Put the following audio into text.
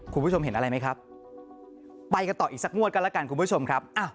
คุณผู้ชมเห็นอะไรไหมครับไปกันต่ออีกสักงวดกันแล้วกันคุณผู้ชมครับ